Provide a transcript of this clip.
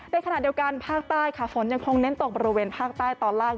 ในขณะเดียวกันภาคใต้ค่ะฝนยังคงเน้นตกบริเวณภาคใต้ตอนล่าง